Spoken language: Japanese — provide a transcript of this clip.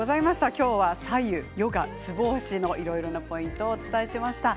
今日は白湯、ヨガ、ツボ押しいろんなポイントをお伝えしました。